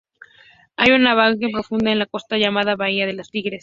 Hay una bahía profunda en la costa llamada Bahía de los Tigres.